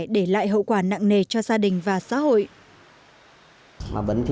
để lại bệnh